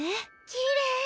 きれい。